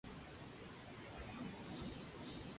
Su obra destaca por su espíritu humanista.